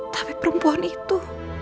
tapi perempuan itu